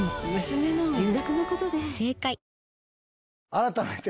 改めて。